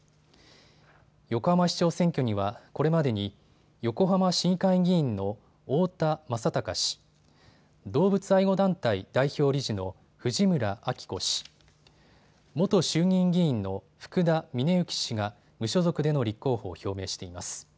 横浜市長選挙にはこれまでに横浜市議会議員の太田正孝氏、動物愛護団体代表理事の藤村晃子氏、元衆議院議員の福田峰之氏が無所属での立候補を表明しています。